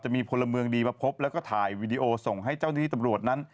มีพลเมืองดีมาพบแล้วก็ถ่ายวีดีโอส่งให้เจ้าหน้าที่ตำรวจนั้น